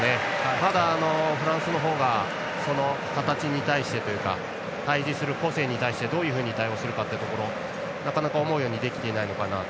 ただ、フランスのほうがその形に対してというか対峙する個性に対してどう対応するかというところなかなか思うようにできていないのかなと。